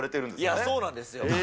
いや、そうなんですよ。